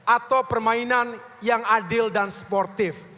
atau permainan yang adil dan sportif